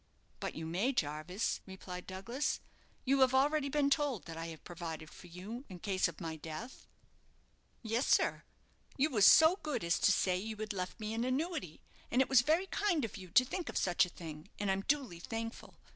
"But you may, Jarvis," replied Douglas. "You have already been told that I have provided for you in case of my death." "Yes, sir, you was so good as to say you had left me an annuity, and it was very kind of you to think of such a thing, and I'm duly thankful.